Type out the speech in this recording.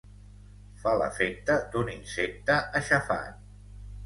Fa l'efecte d'un insecte aixafat.